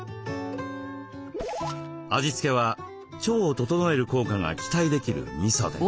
味付けは腸を整える効果が期待できるみそで。